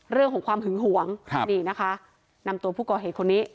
เรื่องของความหึงหวงครับนี่นะคะนำตัวผู้ก่อเหตุคนนี้